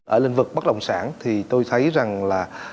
ở lĩnh vực bất động sản thì tôi thấy rằng là